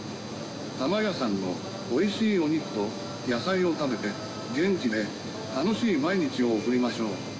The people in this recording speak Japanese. たまやさんのおいしいお肉と野菜を食べて、元気で楽しい毎日を送りましょう。